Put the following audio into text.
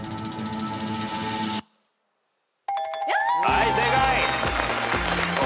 はい正解。